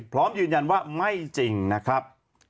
พร้อมยืนยันว่าไม่จริงนะครับ